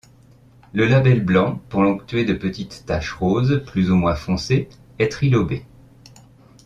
Le labelle blanc ponctué de petites taches roses plus ou moins foncées est trilobé.